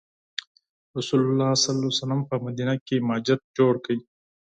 رسول الله په مدینه کې مسجد جوړ کړ.